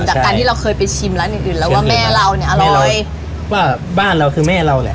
จากการที่เราเคยไปชิมร้านอื่นอื่นแล้วว่าแม่เราเนี่ยอร่อยว่าบ้านเราคือแม่เราแหละ